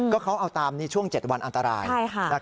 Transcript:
ก็เขาเอาตามนี้ช่วง๗วันอันตราย